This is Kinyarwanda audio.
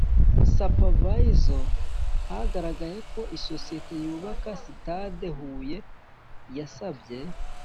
Supervisor hagaragaye ko isosiyete yubaka sitade huye yasabye